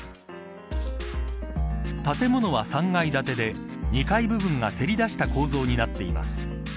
建物は３階建で２階部分が、せり出した構造になっています。